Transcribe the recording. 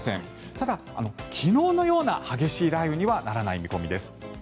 ただ、昨日のような激しい雷雨にはならない見込みです。